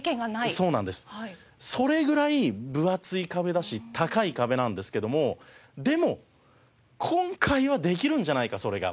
それぐらい分厚い壁だし高い壁なんですけどもでも今回はできるんじゃないかそれが。